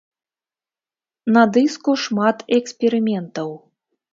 На дыску шмат эксперыментаў.